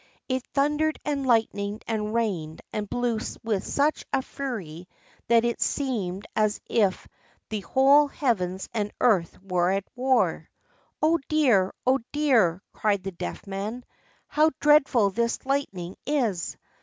It thundered and lightened and rained and blew with such fury that it seemed as if the whole heavens and earth were at war. "Oh dear! oh dear!" cried the Deaf Man, "how dreadful this lightning is!